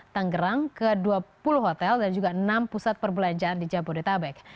tanggerang ke dua puluh hotel dan juga enam pusat perbelanjaan di jabodetabek